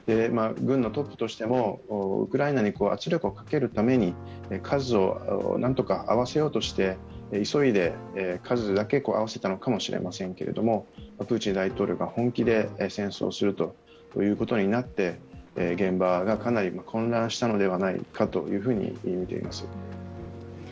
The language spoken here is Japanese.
軍のトップとしても、ウクライナに圧力をかけるために数をなんとか合わせようとして急いで数だけ合わせたのかもしれませんけれどもプーチン大統領が本気で戦争するということになって現場がかなり混乱したのではないかというふうに見ています。